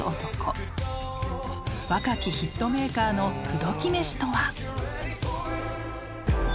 ［若きヒットメーカーの口説き飯とは］